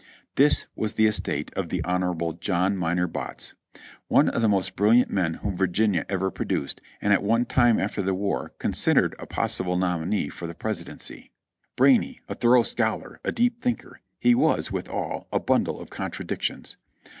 This was the estate of the Honorable John Minor Botts, one of the most brilliant men whom Virginia ever produced, and at one time after the war considered a possible nominee for the Presidency. Brainy, a thorough scholar, a deep thinker, he was, withal, a bundle of contradictions.